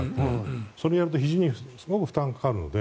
それをやるとひじにすごく負担がかかるので